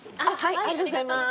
ありがとうございます。